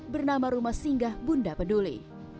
bernama rumah singgah bunda peduli